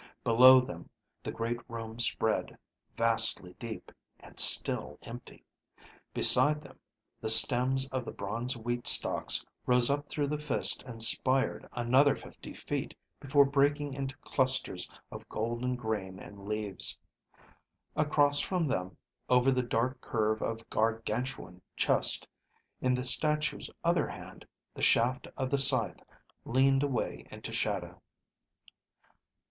Below them the great room spread, vastly deep, and still empty. Beside them, the stems of the bronze wheat stalks rose up through the fist and spired another fifty feet before breaking into clusters of golden grain and leaves. Across from them, over the dark curve of Gargantuan chest, in the statue's other hand, the shaft of the scythe leaned away into shadow.